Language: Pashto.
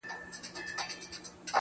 د زړه رگونه مي د باد په هديره كي پراته.